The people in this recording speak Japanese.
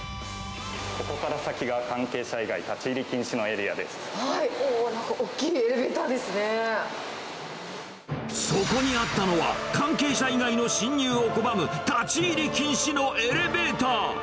ここから先が、関係者以外立なんか大きいエレベーターでそこにあったのは、関係者以外の進入を拒む、立ち入り禁止のエレベーター。